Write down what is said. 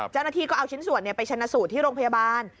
เจ้าหน้าที่ก็เอาชิ้นส่วนไปชนะสูตรที่โรงพยาบาล